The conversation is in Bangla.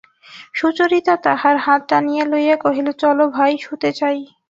সুচরিতা তাহার হাত টানিয়া লইয়া কহিল, চলো ভাই, শুতে যাই।